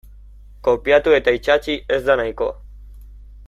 Kopiatu eta itsatsi ez da nahikoa.